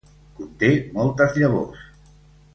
Conté moltes llavors.